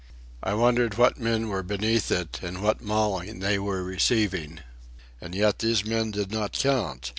I wondered what men were beneath it and what mauling they were receiving. And yet these men did not count.